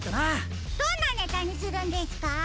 どんなネタにするんですか？